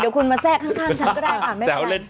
เดี๋ยวคุณมาแทรกข้างฉันก็ได้ค่ะ